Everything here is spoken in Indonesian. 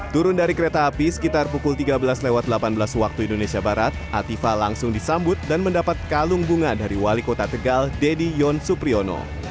turun dari kereta api sekitar pukul tiga belas delapan belas waktu indonesia barat atifah langsung disambut dan mendapat kalung bunga dari wali kota tegal deddy yon supriyono